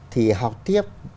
thì học tiếp